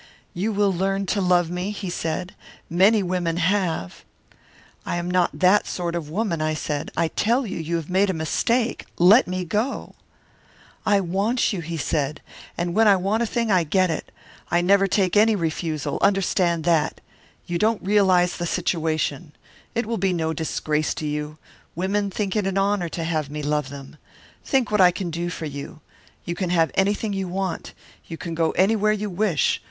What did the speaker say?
"'You will learn to love me,' he said. 'Many women have.' "'I am not that sort of a woman,' I said. 'I tell you, you have made a mistake. Let me go.' "'I want you,' he said. 'And when I want a thing, I get it. I never take any refusal understand that. You don't realise the situation. It will be no disgrace to you. Women think it an honour to have me love them. Think what I can do for you. You can have anything you want. You can go anywhere you wish.